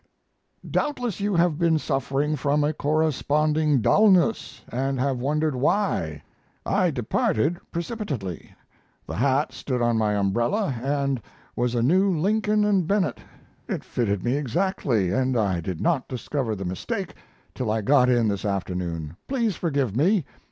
Doubtless you have been suffering from a corresponding dullness & have wondered why. I departed precipitately, the hat stood on my umbrella and was a new Lincoln & Bennett it fitted me exactly and I did not discover the mistake till I got in this afternoon. Please forgive me.